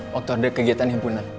waktu ada kegiatan himpunan